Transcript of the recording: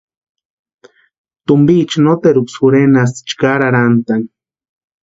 Tumpicha noteruksï jurhenasti chʼkari arhantʼani.